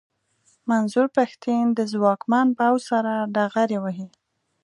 منظور پښتين د ځواکمن پوځ سره ډغرې وهي.